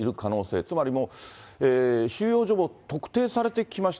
つまり収容所も特定されてきました。